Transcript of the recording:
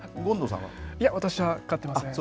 私は飼っていません。